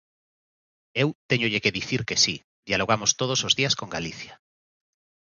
Eu téñolle que dicir que si, dialogamos todos os días con Galicia.